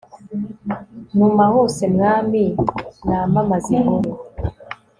ntuma hose mwami, namamaze inkuru